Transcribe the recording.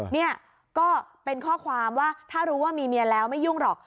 นี่ก็เป็นข้อความว่าถ้ารู้ว่ามีเมียแล้วไม่ยุ่งหรอก